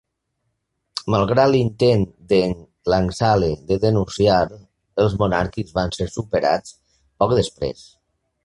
Malgrat l"intent de"n Langsale de denunciar, els monàrquics van ser superats poc després.